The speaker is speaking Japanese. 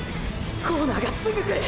コーナーがすぐ来る！！